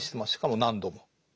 しかも何度も。